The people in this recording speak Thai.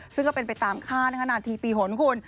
ซึ่งก็เป็นไปตามค่านาทีปีหนคุณ